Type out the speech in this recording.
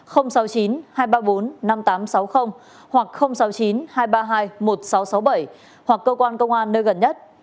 hoặc sáu mươi chín hai trăm ba mươi hai một nghìn sáu trăm sáu mươi bảy hoặc cơ quan công an nơi gần nhất